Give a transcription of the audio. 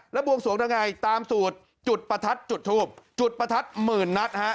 แล้วบวงสวงยังไงตามสูตรจุดประทัดจุดทูบจุดประทัดหมื่นนัดฮะ